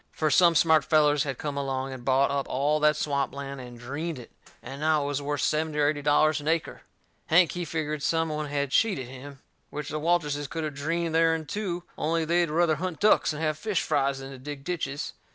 Fur some smart fellers had come along, and bought up all that swamp land and dreened it, and now it was worth seventy or eighty dollars an acre. Hank, he figgered some one had cheated him. Which the Walterses could of dreened theirn too, only they'd ruther hunt ducks and have fish frys than to dig ditches.